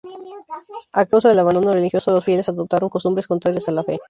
A causa del abandono religioso, los fieles adoptaron costumbres contrarias a la fe.